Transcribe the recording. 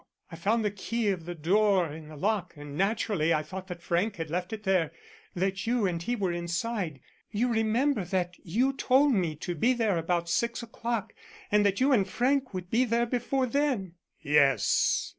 I found the key of the door in the lock and naturally I thought that Frank had left it there that you and he were inside. You remember that you told me to be there about six o'clock, and that you and Frank would be there before then." "Yes.